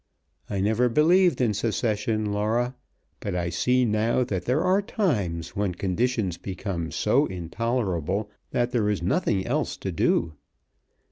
I never believed in secession, Laura, but I see now that there are times when conditions become so intolerable that there is nothing else to do.